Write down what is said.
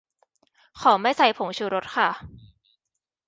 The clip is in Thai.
ขอไม่ใส่ผงชูรสค่ะ